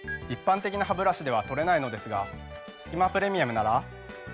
一般的なハブラシでは取れないのですが「すき間プレミアム」なら。